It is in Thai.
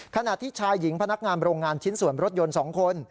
ขณะที่ชายหญิงพนักงานโรงงานชิ้นส่วนรถยนต์๒คน